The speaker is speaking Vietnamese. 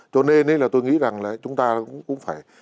cho nên là tôi nghĩ rằng là chúng ta cũng phải